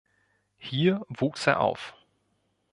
Hier wuchs er auf.